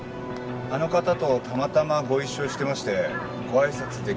あの方とたまたまご一緒してましてご挨拶できればなと。